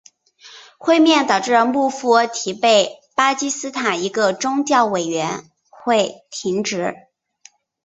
会面导致穆夫提被巴基斯坦一个宗教委员会停职。